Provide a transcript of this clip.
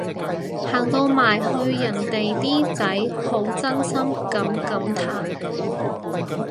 行到埋去人哋啲仔好真心噉感嘆